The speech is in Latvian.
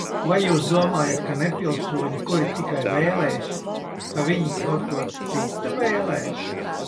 Vai jūs domājat, ka nepilsoņi, kuri tikai vēlēs, ka viņi kaut ko citu vēlēs?